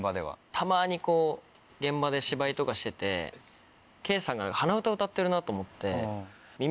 たまに現場で芝居とかしてて圭さんが鼻歌を歌ってるなと思って。